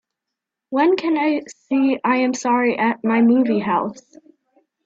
When can I see I Am Sorry at my movie house